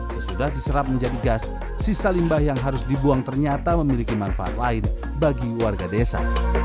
sesudah diserap menjadi gas sisa limbah yang harus dibuang ternyata memiliki manfaat lain bagi warga desa